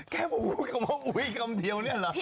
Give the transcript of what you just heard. แค่บอกว่าอุ้ยคำเดียวเนี่ยเหรอ